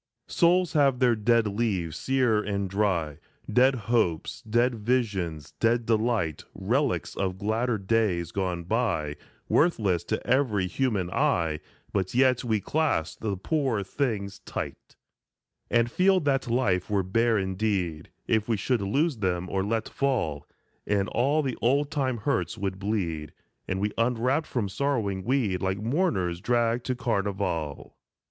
Souls have their dead leaves, sere and dry, Dead hopes, dead visions, dead delight, Relics of gladder days gone by, Worthless to every human eye ; But yet we clasp the poor things tight, 140 A SPRING PARABLE And feel that life were bare indeed If we should lose them, or let fall, And all the old time hurts would bleed, And we unwrapped from sorrowing weed Like mourners dragged to carnival.